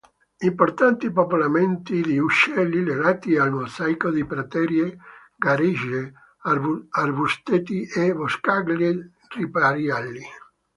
Importanti popolamenti di Uccelli legati al mosaico di praterie, garighe, arbusteti e boscaglie ripariali.